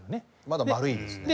まだ丸いですね。